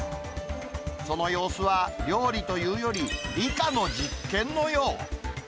その様子は、料理というより理科の実験のよう。